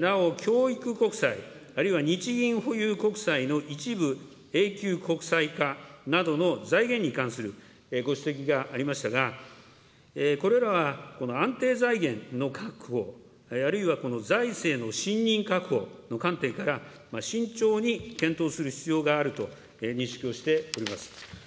なお教育国債、あるいは日銀保有国債の一部永久国債化などの財源に関するご指摘がありましたが、これらはこの安定財源の確保、あるいは財政の信任確保の観点から、慎重に検討する必要があると認識をしております。